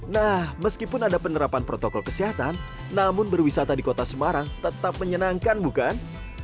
nah meskipun ada penerapan protokol kesehatan namun berwisata di kota semarang tetap menyenangkan bukan